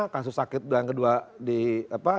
kasus sakit yang kedua di apa